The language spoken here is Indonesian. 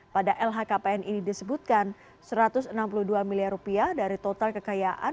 pada lhkpn ini disebutkan rp satu ratus enam puluh dua miliar dari total kekayaan